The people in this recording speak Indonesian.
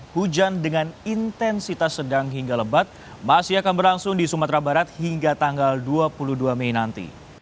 hujan dengan intensitas sedang hingga lebat masih akan berlangsung di sumatera barat hingga tanggal dua puluh dua mei nanti